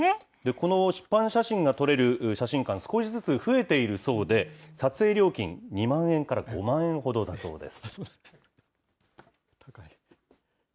この湿板写真が撮れる写真館、少しずつ増えているそうで、撮影料金２万円から５万円ほどだそうです。